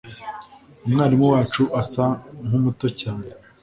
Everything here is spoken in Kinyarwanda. umwarimu wacu asa nkumuto cyane